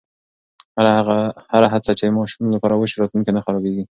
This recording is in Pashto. هره هڅه چې د ماشوم لپاره وشي، راتلونکی نه خرابېږي.